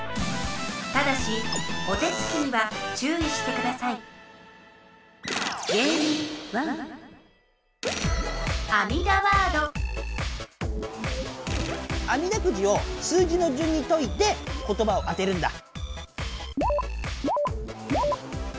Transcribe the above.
ただしお手つきにはちゅういしてくださいあみだくじを数字のじゅんにといて言ばを当てるんだ！